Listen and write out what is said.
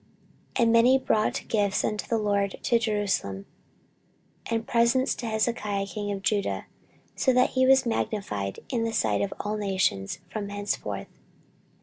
14:032:023 And many brought gifts unto the LORD to Jerusalem, and presents to Hezekiah king of Judah: so that he was magnified in the sight of all nations from thenceforth.